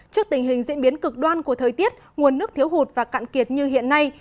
trước tình hình diễn biến cực đoan của thời tiết nguồn nước thiếu hụt và cạn kiệt như hiện nay